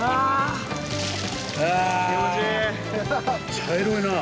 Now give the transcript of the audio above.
茶色いな。